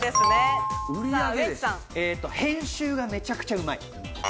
編集がめちゃくちゃうまい。